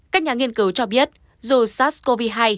các nhà nghiên cứu cho biết dù sars cov hai